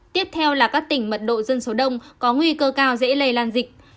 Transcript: tiếp theo là các tỉnh mật độ dân số đông có nguy cơ cao dễ lây lan dịch